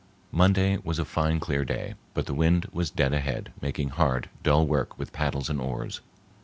Monday was a fine clear day, but the wind was dead ahead, making hard, dull work with paddles and oars.